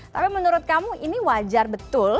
tapi menurut kamu ini wajar betul